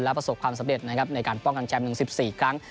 และประสบความสำเร็จในการป้องกันแชมป์๑๔ครั้ง